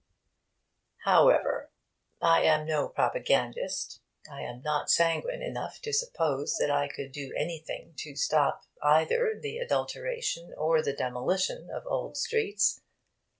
However, I am no propagandist. I am not sanguine enough to suppose that I could do anything to stop either the adulteration or the demolition of old streets.